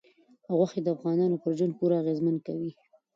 غوښې د افغانانو پر ژوند پوره اغېزمن کوي.